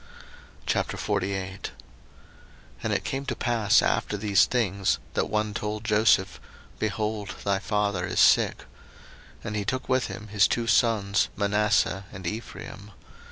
01:048:001 And it came to pass after these things, that one told Joseph, Behold, thy father is sick: and he took with him his two sons, Manasseh and Ephraim.